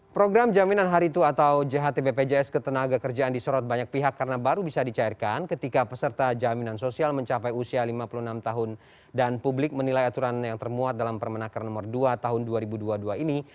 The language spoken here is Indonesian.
program jaminan hari itu atau jht bpjs ketenaga kerjaan disorot banyak pihak karena baru bisa dicairkan ketika peserta jaminan sosial mencapai usia lima puluh enam tahun dan publik menilai aturan yang termuat dalam permenaker nomor dua tahun dua ribu dua puluh dua ini